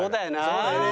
そうだよね。